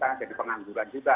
karena jadi pengangguran juga